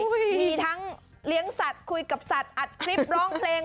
มีทั้งเลี้ยงสัตว์คุยกับสัตว์อัดคลิปร้องเพลง